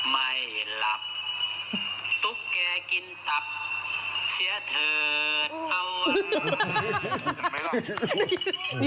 ไม่หลับทุกแกกินจับเสียเธอเท่าไหร่